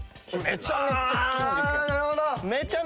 あなるほど！